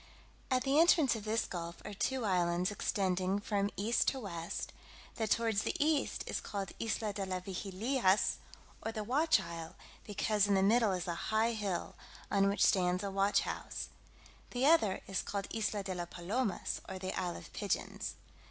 At the entrance of this gulf are two islands extending from east to west; that towards the east is called Isla de las Vigilias, or the Watch Isle; because in the middle is a high hill, on which stands a watch house. The other is called Isla de la Palomas, or the Isle of Pigeons.